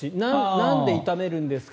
なんで炒めるんですか？